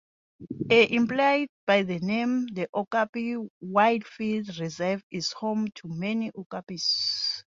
As implied by the name, the Okapi Wildlife Reserve is home to many okapis.